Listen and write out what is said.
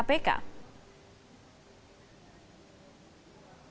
bpk sebenarnya sudah secara rudal